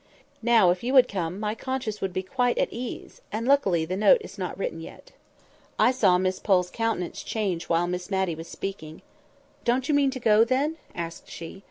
Now, if you would come, my conscience would be quite at ease, and luckily the note is not written yet." I saw Miss Pole's countenance change while Miss Matty was speaking. "Don't you mean to go then?" asked she.